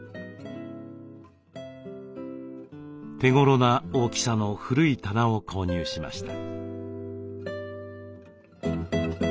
手ごろな大きさの古い棚を購入しました。